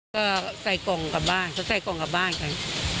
ก็ใส่กล่องกลับบ้านเขาใส่กล่องกลับบ้านกัน